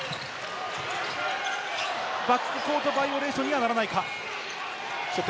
バックコートバイオレーションにはならないか。